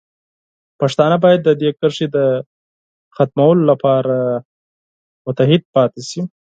پښتانه باید د دې کرښې د ختمولو لپاره متحد پاتې شي.